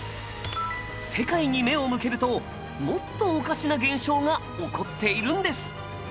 世界に目を向けるともっとおかしな現象が起こっているんです。